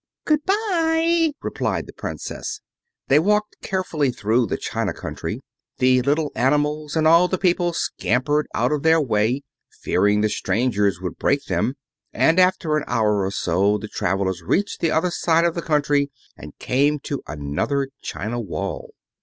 "Good bye," replied the Princess. They walked carefully through the china country. The little animals and all the people scampered out of their way, fearing the strangers would break them, and after an hour or so the travelers reached the other side of the country and came to another china wall.